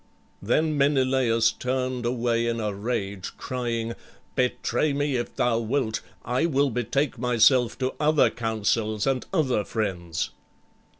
Then Menelaüs turned away in a rage, crying, "Betray me if thou wilt. I will betake myself to other counsels and other friends."